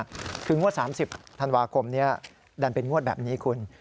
คืองวด๓๐ธันวาคมนี้ดันเป็นงวดแบบนี้คุณ